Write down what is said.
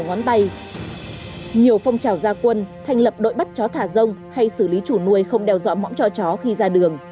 nhiều phong trào gia quân thành lập đội bắt chó thả rông hay xử lý chủ nuôi không đeo dọa mõm cho chó khi ra đường